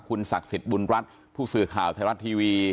ศักดิ์สิทธิ์บุญรัฐผู้สื่อข่าวไทยรัฐทีวี